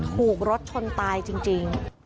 ถูกรถชนตายจริง